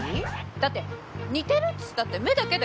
だって似てるっつったって目だけだよ。